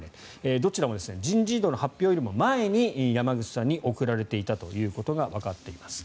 どちらも人事異動の発表より前に山口さんに送られていたということがわかっています。